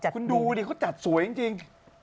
กูดูเขาจัดสวยจริง